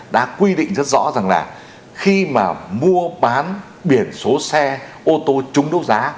đã quy định rất rõ rằng là khi mà mua bán biển số xe ô tô trúng đấu giá